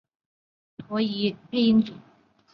骆慧怡之配音组。